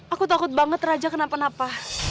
aku takut banget raja kenapa napa